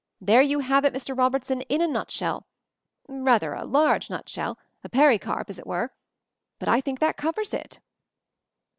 There you have it, Mr. Robertson, in a nutshell — rather a large nutshell, a pericarp, as it were — but I think that covers it."